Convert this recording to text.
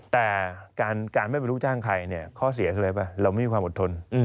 แต่การไม่เป็นลูกจ้างใครเนี่ยข้อเสียคืออะไรป่ะเราไม่มีความอดทน